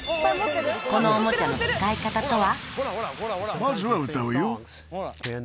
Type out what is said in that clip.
このおもちゃの使い方とは？